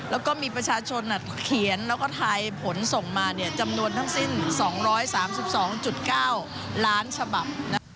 แล้วก็มีประชาชนเขียนแล้วก็ทายผลส่งมาจำนวนทั้งสิ้น๒๓๒๙ล้านฉบับ